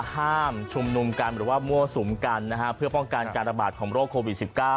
ห้ามชุมนุมกันหรือว่ามั่วสุมกันนะฮะเพื่อป้องกันการระบาดของโรคโควิด๑๙